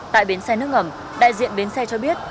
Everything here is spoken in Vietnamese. tại bến xe nước ngầm đại diện bến xe cho biết